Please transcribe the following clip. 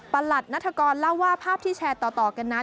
หลัดนัฐกรเล่าว่าภาพที่แชร์ต่อกันนั้น